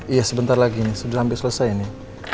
iya sebentar lagi nih sudah hampir selesai ini